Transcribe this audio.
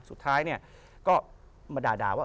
สุดท้ายเนี่ยก็มาด่าว่า